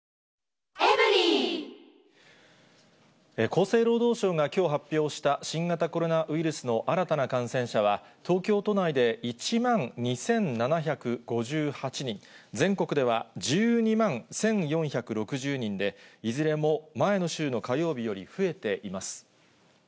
厚生労働省がきょう発表した新型コロナウイルスの新たな感染者は、東京都内で１万２７５８人、全国では１２万１４６０人で、いずれも前の週の火曜日より増えています。